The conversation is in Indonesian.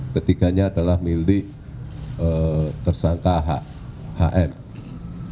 ketiganya adalah milik tersangka hm